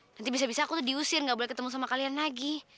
nanti bisa bisa aku tuh diusir nggak boleh ketemu sama kalian lagi